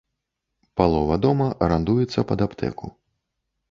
Палова дома арандуецца пад аптэку.